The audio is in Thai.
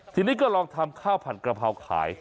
ทีนี้ก็ลองทำข้าวผัดกระเพราขาย